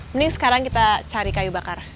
mending sekarang kita cari kayu bakar